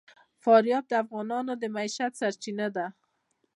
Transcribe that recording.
فاریاب د افغانانو د معیشت سرچینه ده.